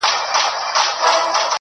په سبب د لېونتوب دي پوه سوم یاره,